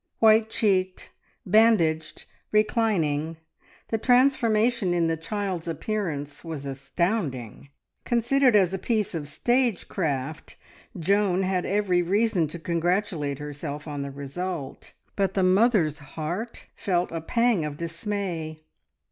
White cheeked, bandaged, reclining, the transformation in the child's appearance was astounding. Considered as a piece of stage craft, Joan had every reason to congratulate herself on the result, but the mother's heart felt a pang of dismay.